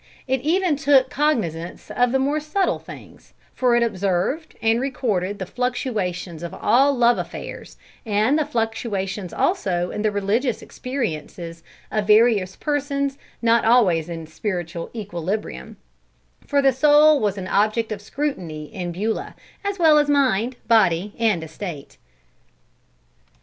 It even took cognizance of more subtle things; for it observed and recorded the fluctuations of all love affairs, and the fluctuations also in the religious experiences of various persons not always in spiritual equilibrium; for the soul was an object of scrutiny in Beulah, as well as mind, body, and estate.